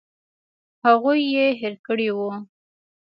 هغوی یې هېر کړي وو.